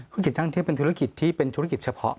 ธุรกิจช่างเทพเป็นธุรกิจที่เป็นธุรกิจเฉพาะ